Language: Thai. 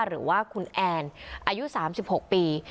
หรือว่าคุณแอนอายุ๓๖ปี